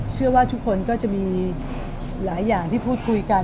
เชื่อว่าทุกคนก็จะมีหลายอย่างที่พูดคุยกัน